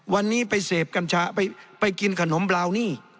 วันนี้ไปเสพกัญชาไปกินขนมบราวนี่